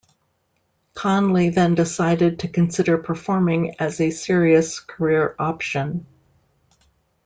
Conley then decided to consider performing as a serious career option.